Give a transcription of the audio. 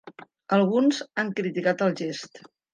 Alguns han criticat el gest.